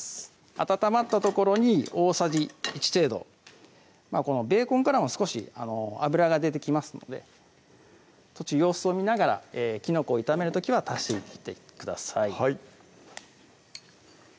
温まったところに大さじ１程度このベーコンからも少し脂が出てきますので途中様子を見ながらきのこを炒める時は足していってください